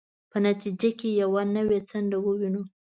په نتیجه کې یوه نوې څنډه ووینو.